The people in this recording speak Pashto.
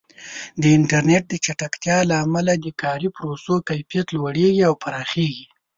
د انټرنیټ د چټکتیا له امله د کاري پروسو کیفیت لوړېږي او پراخېږي.